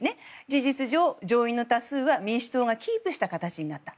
事実上、上院の多数は民主党がキープした形になった。